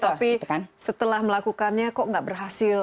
tapi setelah melakukannya kok nggak berhasil